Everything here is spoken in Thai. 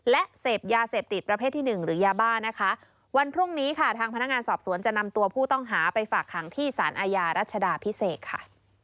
และเสพยาเสพติดประเภทที่หนึ่งหรือยาบ้านะคะวันพรุ่งนี้ค่ะทางพนักงานสอบสวนจะนำตัวผู้ต้องหาไปฝากขังที่สารอาญารัชดาพิเศษค่ะ